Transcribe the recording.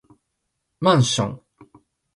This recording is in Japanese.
マンション